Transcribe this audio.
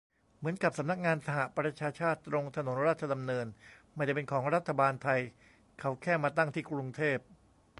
เหมือนกับสำนักงานสหประชาชาติ ตรงถนนราชดำเนิน ไม่ได้เป็นของรัฐบาลไทย เขาแค่มาตั้งที่กรุงเทพ